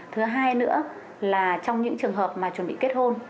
thứ hai nữa là trong những trường hợp mà chuẩn bị kết hôn